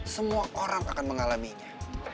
semua orang akan mengalaminya